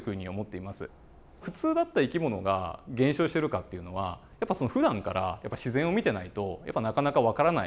普通だった生き物が減少してるかっていうのはやっぱふだんから自然を見てないとなかなかわからない。